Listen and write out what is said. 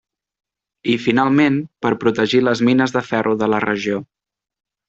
I finalment, per protegir les mines de ferro de la regió.